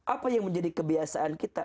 apa yang menjadi kebiasaan kita